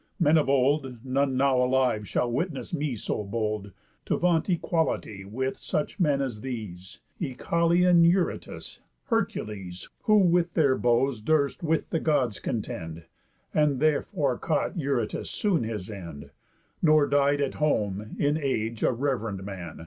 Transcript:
Men of old, None now alive shall witness me so bold, To vaunt equality with, such men as these, Œchalián Eurytus, Hercules, Who with their bows durst with the Gods contend; And therefore caught Eurytus soon his end, Nor died at home, in age, a rev'rend man.